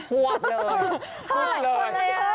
เฮ้ยทวบเลย